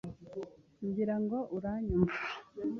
Ngira ngo urayumva